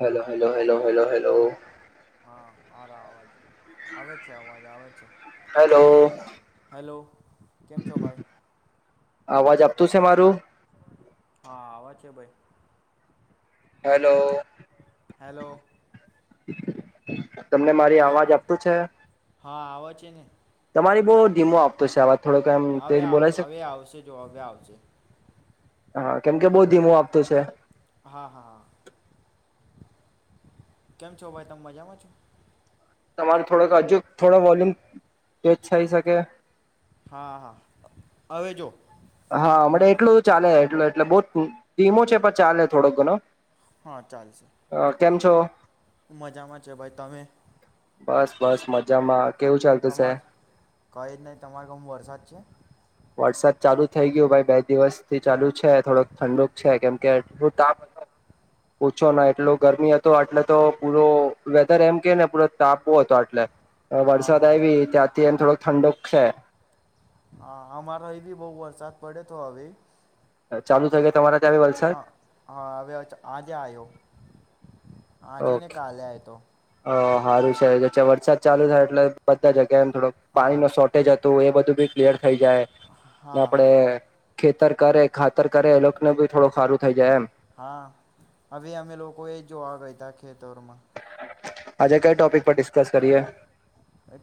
Hello hello hello hello hello. આરા અવાજ આવે છે અવાજ આવે છે. Hello hello. કેમ છો ભાઈ? અવાજ આપતું સે મારું? હા આવ છે ભાઈ. હેલો. હેલો. તમને મારી હેલો અવાજ આપતું છે? હા આવ છે ને. તમારી બહુ ધીમો આપતો સે આવજ. હવે હવે આવશે જો હવે આવશે. હા કેમ કે બઉ ધીમુ આપત છે. હા હા, કેમ છો ભાઈ તમે મજામાં છો? તમાર થોડોક હજુ થોડો વોલ્યુમ તેજ થઇ શકે? હા હા, હવે જો. હા મળે એટલું ચાલે એટલું એટલે બઉ ધીમો છે પણ ચાલે થોડોક ઘણો. હા ચાલશે અ કેમ છો મજામાં છે ભાઈ તમે બસ બસ મજામાં કેવું ચાલતું છે તમારે કઈ જ નહી. તમારે ગમુ વરસાદ છે? વરસાદ ચાલુ થઈ ગયયો ભાઈ. બે દિવસથી ચાલુ છે થોડોક ઠંડુક છે. કેમ કે એટ તાપ ઓછો ના એટલો ગરમી હતો. એટલે તો પૂરો વેધર એમ કે ને પૂ તાપો હતો એટલે. હા વરસાદ હા હા આવી, ત્યાંથી અનેને થોડોક થઠંડોક છે. હા અમારો એ ભી બહુ વરસાદ પડે તો હવે. ચાલુ થઈ ગયો તમારા ત્યાં વલસાડ હા હા! હવે આજે આવ્યો. આજે ને ઓકે કાલે આયે તો. સારું છે. વરસાદ ચાલુ થાય, એટલે બધા જગ્યા. થોડું હા પાણી ન શોર્ટેજ હતું. એ બધું [unintelligible] થઈ જાય. હા આપડે ખેતર કરે. ખાતર કરે. એ લોકોને બી થોડું ખારું થઈ જાય એમ. હા! હવે અમે લોકો એ જોવા ગય તા. આજે કઈ ટોપિક પર ડિસ્ક પાસ કરીએ.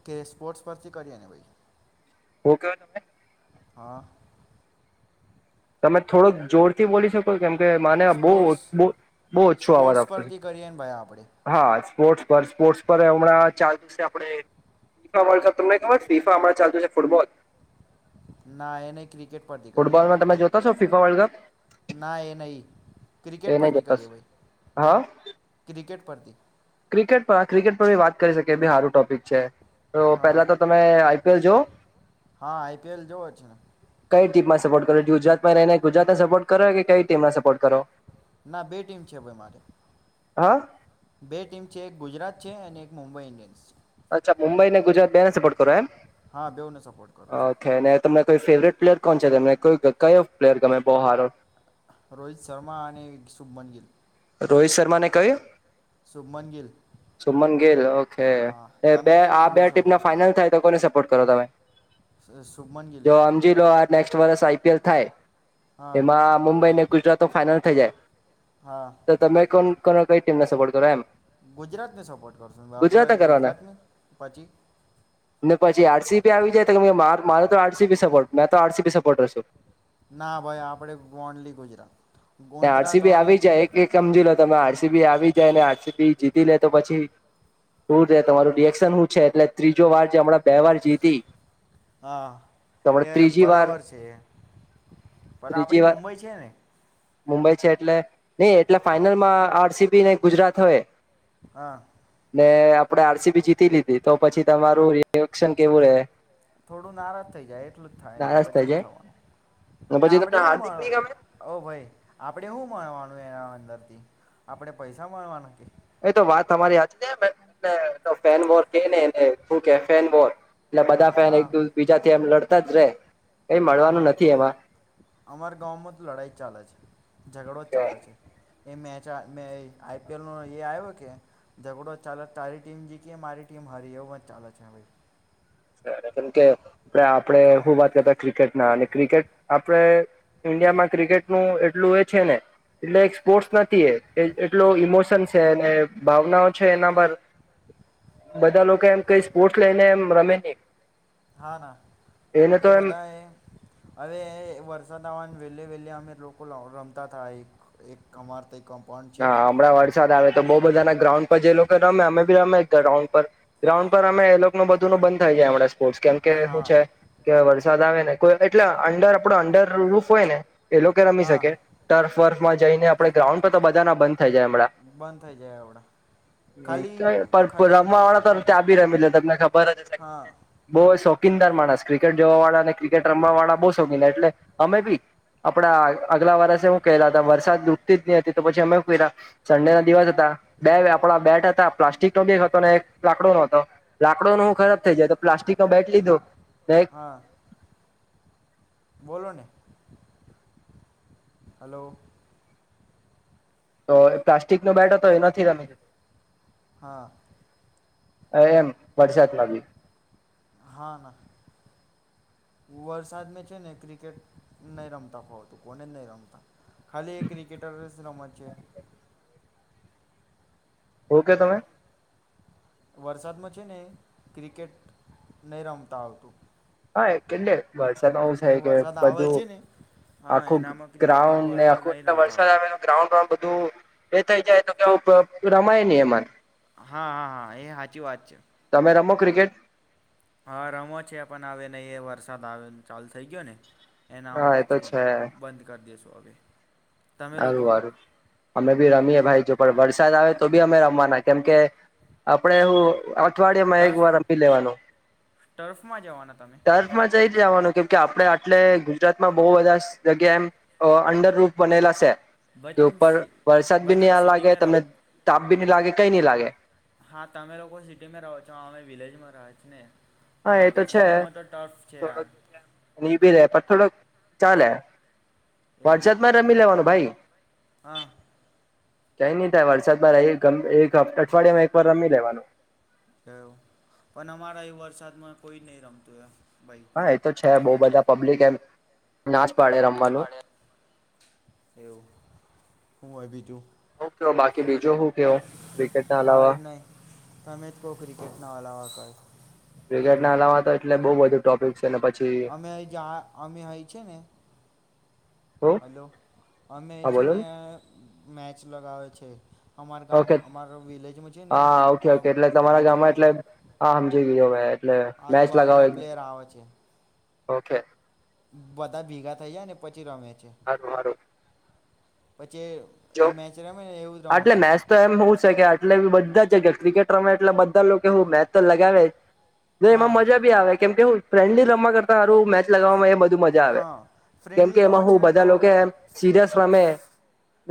કે સ્પોર્ટ્સ પરથી કરીને ભાઈ? [unintelligible] હા. તમે થોડોક જોરથી બોલી શક કેમ કે, માને બહુ સ્પોર્ટ્સ બહુ ઓછો અવાજ સ્પોર્ટ્સ આપતો છે. પરથી કરીએ ને ભાઈ આપણે હા. સ્પોર્ પર. સ્પોર્ટ્ પર હમણાં ચાલતું છે. આપ ફીફા તમને ખબર ફીફા, હમણાં ચાલતુ છે ફૂટબોલ? ના યને ક્રિકેટ પરથી કરીએ. કસો ફીફા વર્લ્ડકપ? ના એ નહી, ક્રિકેટ નહી પરથી જોતા છો. કરીએ ભાઈ. હા? ક્રિકેટ પર થી. ક્રિકેટ પર, ક્રિકેટ પરી વાત કરી શકી બી સારું ટોપિક છે. તો હા પેલા તો તમે આઈ પી એલ જોવો. હા આઈપીએલ જોવો છે ને કઈ ટીમમાં સપોર્ટ કરો? ગુજરાતમાં રઈ ને ગુજરાત ના સપોર્ટ કરો, કે કઈ ટીમ ના સપોર્ટ કરો? ના બે ટીમ છે ભાઈ મારે. હા? બે ટીમ છે. એક ગુજરાત છે અને એક મુંબઈ ઇન્ડિયન્સ છે. મુંબઈને, ગુજરાત બેને સપર્ટ કરો એમ? હા બેઉને સપોર્ટ કરું છું. ઓકે ને તમને કોઈ ફેવરેટ પ્લેયર કોણ છે? તને કો કયો પ્લેયર ગમે બોહ હારો? રોહિત શર્મા અને, શુભમન ગીલ. રોહિત શર્માને કય્યું? સુભમનગિલ ગિલ ઓહ છે બે આ બે ટીમ સપોર્ટ ના કરો ફાઈનલ થાય તો કોને સપ્પ પટ કરો તમે. શુભમન ગીલ. જો સમજી લો આ નેક્સ્ટ વર્ષ આઈપીએલ થાય. હા એમાં મુંબઈને ગુજરાત ફાઈનલ થઈ જાય. હા તો તમે કોણ તમે કઈ ટીમ ને સપોર્ટ કરો એમ. ગુજરાત ને સપોર્ટ કરશો આપડ ગુજરાત ને પછી ને પછી આરસીબી આવી જાય તો મા મારો તો આરસીબી સપોર્ટ મેં તો આરસીબી સપોર્ટર છું. ના ભાઈ આપડે only Gujarat RC Gujarat B અને આવી જાય એક એક સમજી લો. તમે આરસીબી આવી જાય ને આરસીબી જીતી લે તો પછી દૂર જ તમારું રિએક્શન શું છે એટલે ત્રીજો વાર જે હમણા. હા તો એ હમણાં ત્રીજી વાર બરાબર છે પણ ત્રીજી આપડી વાર મુંબઈ છે ને. મુંબઈ છે એટલે નઈ એટલે ફાઈનલમાં આરસીબી ને ગુજરાત હવે હા. આપડે આરસીબી જીતી લીધી તો પછી તમારું રિએક્શન કેવું રે થોડું નારાજ થઈ જાય એટલું જ થાય ને થઈ પચીવું જાય થવાનું બા પછી આપડે તમને એવું હાર્દિક નહી ગમે ઓ ભાઈ. આપણે શું મળણવાનું એના અંદરથી આપણે પૈસા માણવાના કે એ તો વાત તમારી હજ. તો ફેન મોર કે ને એને ઓકે ફન બોર. એટલે બધા ફેન હા એક બીજા એમ લડ. દે. હા ના અમારા ગામમાં તો લડાઈ ચાલે છે ઝઘડો ચાલે છે. એ મેચ મે આઈપીએલનો એ આવ્યો કે ઝઘડો ચાલલે તારી ટીમ જીતી મારી ટીમ હરી એવું પણ ચાલે છે ભાઈ. કેમ કે એલે આપડે તમ શું વાત કરતા ક્રિકેટ. ના અને ક્રિકેટ આપે ઈન્ડિયામાં ક્રિકેટ નું એટલું એ છે ને એટલે એક સ્પોર્ટ્સ નથી એ એટલો ઈમોશન છે ભાવનાઓ છે એના પર બધા લોકો એમ કઈ સ્પોર્ટ્સ લઈને એમ રમે નહી. હા ના એને તો એ એમ બધા હવે વરસાદ આવવા. વહેલે વહેલે હમે લોકો રમતા થ એક એક અમાર તો એક કમ. હા હમણાં વરસાદ આવે તો બઉુ બધા ના ગ્રાઉન્ડ પર જ લો રમે અમે બી રમે ગ્રઉન્ડ પર ગ્રાઉન્ડ પર અમે એ લોકો ન બધું નો બંધ થઈ જાય હમ. સ્ર્ટ કેમ કે શું હા છે કે વરસાદ આવે ને એટલે અંડર આપડો અંડર રૂફ હોય ને એ લોકો રમી હા શકે ટર્ફ વર્ફ. માં જઈને આપણે ગ્રાઉન્ડ તો બધા ના બંધ થાઈ જાય અમના બંધ થઈ જાય આવડા ખાલી ખાલી રમવા વાળ તો ત્યાં બી રમી લે તમને ખબર એજ હશે હા બોઓ શોકીનદાર માણસ ક્રિકેટ જોવા વાળા ને ક્રિકેટ રમવા વાળા બ સોખી એટલે અમે બી આપડા અગલા વર્ષે હું કેહેલા હતા વરસાદ રુકતીજ ની હતી તો પછી અમે ક્યા સંડે ના દિવસ હતા બે આપણા બેટ હતા પ્લાસ્ટિક નો હતો એક લાકડો નો હતો લાકડો નો હું ખરાબ થઈ જાય તો પ્લાસ્ટિક નો બેટ લીધો એક હા બોલો ને હલો તો પ્લાસ્ટિક નો બેટ હતો એ નથી રમી લે હા એમ વરસાદમાં બી હા ના વરસાદ મે છે ને ક્રિકેટ નહી રમતા ફાવતું કોને જ નહી રમતા ખાલી એ ક્રિકેટરો ની જ રમત છે હુ કે તમે વરસાદમાં છે ને ક્રિકેટ નહી રમતા આવતું હા એ કે લ વરસાદમાં છે એ કે વરસાદ આવે બધું છે ને હા આખું એનામાં ક્રિકેટ ગ્રાઉન્ડ ને બરોબર આખું નહીં રમતા વરસાદ આવતું આવે તો ગ્રાઉન્ડ એ થઈ જાય તો કે રમાય નહી એમાં હા હા હા એ સાચી વાત છે તમે રમો ક્રિકેટ હા રમો છે પણ આવે નહી એ વરસાદ આવે ચાલતો થઈ ગયો ને એના આવો હા એ પછી બંધ કરી દઈશો તોવાલી અું વારું અમે ભી રમીએ ભાઈ જો વરસાદ આવે તો બી અમે રમવાના કેમકે આપણે હું અઠવાડિયા માં એક ટર્ફ વાર રમી લેવાનું ટર્ફમાં જવાના તમે તુર્ફ મા જઈ જ આવાનું કે કે આપણે આટલે ગુજરાતમાં બહુ બધા જગ્યા એમ અંડર રૂપ બનેલા છે ભાઈ તો તમે ઉપર વરસાદ ભાઈ ભી તમે નહી લાગે સિટીમાં રહો તમને તાપ ભી નહી લાગે કઈ નઈ લાગે હા તમે લોકો સિટીમાં રહો છો અમે વિલેજમાં રહ છ ને હા એ તમારે તો છે સિટીમાં તો ટફ છે યાર થોડક જગ્યા ની બી રે પણ થોડક ચા લે એવું વોટ્સપમાં રમી લેવાનો, ભાઈ. હા કઈ નહી થાય વરસાદમાં એક અઠવાડિયામાં એક વાર રમી લેવાનું. કેવું પણ અમારા એ વરસાદમાં કોઈ નહી રમતું એ. ભાઈ હા એ તો છે બવ બધા પબ્લિક એમ ના જ પાડે રમવાનું. એવું હું હોય બીજું? હું કહયો બાકી બીજો શું કયો ક્રિકેટના અલાવા કેટના વાલાવાક [inaudible] ક્રિકેટના અલાવા તો એટલે બહ બ ટોપિક છે ને પછી અમે અમે હય છે ને હું હલો અમે હા છે બોલો ને મે લગાવે છે અમારા ગામ ઓકે અમારા વિલેજમાં છે ને હા ઓકે ઓકે એટલે તમારા ગામમાં આજુબાજુ એટલે હા સમજી ગયો મેં એટલે મેચ લગાવો આજુબાજુના પ્લેયર આવે છે ઓકે બધા ભેગા થઈ જાય ને પછી રમે છે હાર હાર પછી જો એ મેચ રમે ને એવું જ રમે આટલે છે મેસ તો એમ હોું છે કે આટલે બી બધ બધા જગ્યા ક્રિકેટ રમે એટલે બધા લોકો હું મેચ તો લગાવે ન એમાં હા મજા ભી આવે કેમ કે હું ફ્રેન્લી રમવા કરતા સારું મેચ લગવામાંધ મજા આવે હા ફ્રેન્ડલી કેમકે રમે એમાં છે હું ને બધા તો લોકો રમસે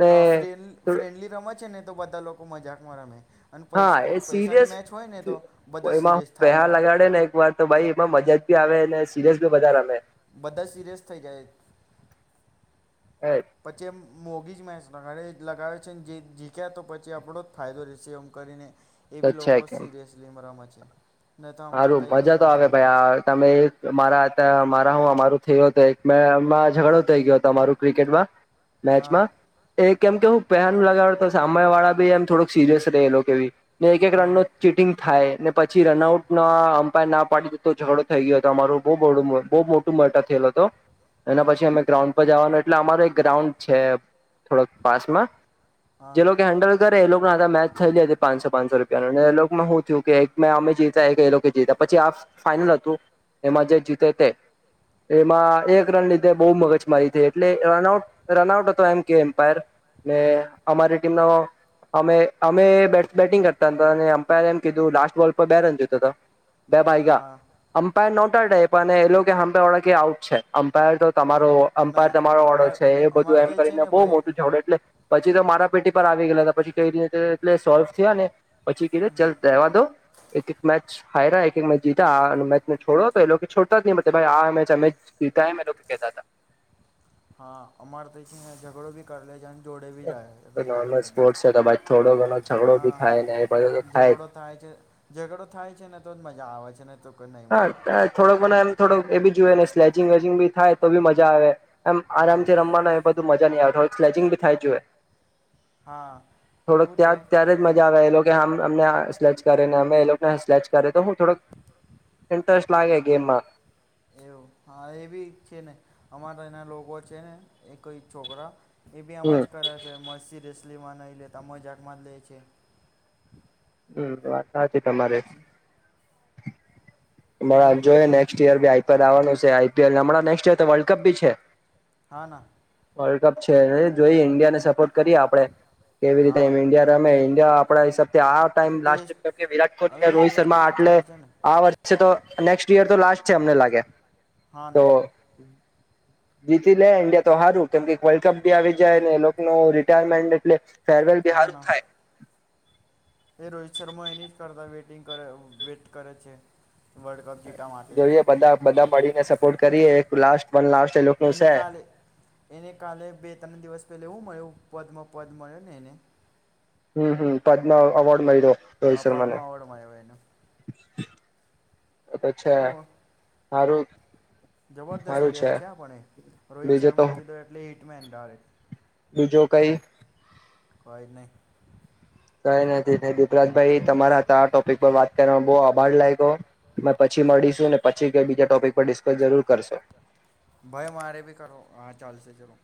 હ ફ ફ્રેન્ડલી રમે છે ને તો બધા લોકો મજાકમાં મે [inaudible] હા એ સિરિયસ તો બધા એમાં સિરિયસ થાય પેહ કા લગાડે ને એક વાર તો ભાઈ એમાં મજા જ ી આવે અનેને સીરયસ બી બ વધાર આવે બધા સિરિયસ થઈ જાય પછે મોગી જ મે આપણા ઘરે લગાવે છે ને જે જીક્યા તો પછી આપણો જ ફાયદો રહેશે એમ કરીને એ તો બી છે લોકો કેમ સિરિયસલી મરામત છે [inaudible] અમારે સારું ત્યાં નહીં મજા તો આવે રમતા એટલું ભાઈ તમે મારા મારું થયયો હતો એક મેમાં ઝઘડો થઈ ગયો હતો અમારું ક્રિકેટમાં હા મેચમાં એ કેમ કેવું પહેન લગાવડ તો સામેય વાળા ભી એમ થોડક સિરિયસ રહેલો કે ભી ને એક એક રન હા ન ચીટિંગ થાય ને પછી રનઆઉટ અમ્પાયર ના પાડી દ તો ઝઘડો થઈ ગયો હતો અમારો બ બહ મોટું મોટા થયેલ હતો એના હા પછી અમે ગ્રાઉન્ડ પર જવાનું એટલે અમારો એક ગ્રાઉન્ડ છે થોડાક પામાં જે હા લોકો હેન્ડલ કરે એ લોકો મેચ થયલી હતી પાંચસો પાંચસો રૂપિયા ન એગમાં હું થયું કે એક મેં અમે જી પછી આ ફાઈનલ હતું એમાં જે જીતે તે એમાં એક રન લીધે બહુ મગજ મારી હતી એટલે રનઆઉટ રનઆઉટ હતો એમ કે એમ્પાયર ને અમારી ટીમનો અમે અમે બેટિંગ કરતા હતા એમ્પાયર એમ કીધું લાસ્ટ બોલ પર બે રન જો [inaudible] બેબાઈગા હા અમ્પાયર નોટ અને એ કેળ આઉટ છે અમ્પાયર તો તમારો અમ્પાયર નહી તમારો ઓર્ડર અમાર છે એ બધું અમારે એમ તો છે કરીને ને બહુ ભાઈ મોટું જોડે એટલે પછી તો મારા પેટી પર આવી ગયેલા હતા પછી કઈ રીતે એટલે સોલ્વ થયા ને પછી કીધ ચાલ દેવા દો એક હ એક એક મેચ જીતા મેને છોડો તો એ લોકો છોડતા જ નહી આ મે અમે જીતા કેતા હતા હા અમારે તો ઝઘડો ભી કરી લે જ જોડે રહી જાય નોર્મલ લે છે સ્પોર્ટ્સ તો ભાઈ થોડો ઘણો ઝઘડો હા બી થાય ને એ બધો તો જ. ઝઘડો થાય છે ઝઘડો થાય છે ને તો જ મજા આવે છે એ તો કોઈ નહીં મજા આવતી હા થોડો મ એમ થોડો એ બી જોયએ ને સ્લેચિંગ વચિંગ બી થાય તો બી મજા આવે એમ હા આરામથી રમવાનો એ બધું મજા નહ આવેતો હો સ્લેચિંગ ભી થાય જોુએ હા થોડોક એવું છે ત્યાં ત્યારે જ મજા આવેલો મ અમને સલે કરે ને અમે એ લોકોને સલેચ કરે તો હું થોડક ઇન્ટરેસ્ટ લાગે ગેમ માં એવું હા એ બી છે ને અમારા એના લોકો છે ને એઈ છોકરા એ બી આમાં જ હમ. કરે છે મસી રસ મુસ્લિમાનો એ લ તમ જકમાં જ લે છે હમ વા તમારે આ હોય જોઈએ બીજું તો નેક્સ્ટ યર ભી આઈપડ આવવાનું છે હણાં નેક્સ્ટ ર તો વર્લ્ડ કપ બી છે હા ના વર્લ્ડ કપ છે ન જોઈ ઇન્ડિયા ને સપર્ટ કરી આપડે કેવી રીતે હા ઇન્ડિયા રમે ઇન્ડિયા પાઈસા આ હવે ટેસ્ટ ટ વિરાટ કોહલી હવે અને હું રોહિત ટેસ્ટ શર્મા મેચ આટલે ચાલુ છે ને આ વર્ષ નેક્સ્ટ યર તો લાસ્ટ છે અમને લાગે. હા તો ના જીતી લે ઈન્ડિયા તો હારું કેમ કે વર્લ્ડ કપ ભી આવી જાય ને [unintelligible] રિટાયરમેન્ટ એટલે ફેરવેલથી હા હારુ જ ના થાય. એ રોહિત શર્મા એની જ કરતા વેટિંગ કરે વેટ કરે છે. વર્લ્ડ કપ જીતવા માટે જોઈએ બધા બધા મળીને સપોર્ટ કરીએ. એક લાસ્ટ વન લાસ્ટ એ લોકો નું એને છે કાલે એને કાલે બે ત્રણ દિવસ ટલે એવું મળે વચમાં પદ મળ્યો ને એને. હમ્મ હમ્મ, પદ્મા અવોર્ડ મળ્યો. રોહિત આ શર્માને પદ્મા અવોર્ડ મળ્યો એને. તો ત અચ્છા હું હારું જબરદસ્ત પ્લેયર છે હા પણ એ, રોહિત બીજું તો શર્મા કીધો એટલે હિટ મેદારે બીજું કઈ કોઈ નહી. કઈ નથી દીપરાજભાઈ તમારા આ ટોપિક પર વાત કરવામાં બો આભાર લાયગો મે પછી મડીશું ને પછી કે બીજા ટોપિક પર ડિસ્કસ જરૂર કરશું ભાઈ મારે ભી કરો આ ચાલશે ચલો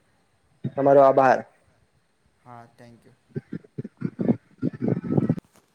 તમારો આભાર. હા થેન્ક યુ.